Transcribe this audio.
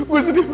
gue sedih banget